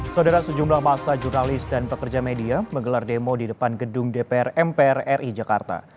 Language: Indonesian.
saudara sejumlah masa jurnalis dan pekerja media menggelar demo di depan gedung dpr mpr ri jakarta